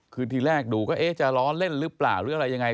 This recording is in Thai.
คือทีแรกดูก็เอ๊ะจะล้อเล่นหรือเปล่าหรืออะไรยังไง